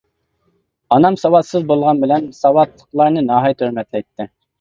ئانام ساۋاتسىز بولغان بىلەن ساۋاتلىقلارنى ناھايىتى ھۆرمەتلەيتتى.